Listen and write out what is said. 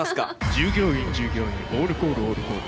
従業員従業員オールコールオールコール。